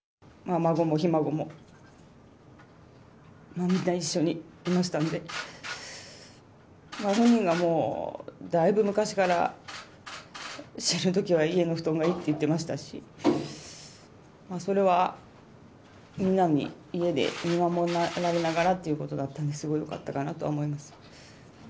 孫もひ孫も、みんな一緒にいましたんで、本人がもうだいぶ昔から、死ぬときは家の布団がいいって言ってましたし、それはみんなに家で見守られながらということだったんで、すごいよかったかなと思います。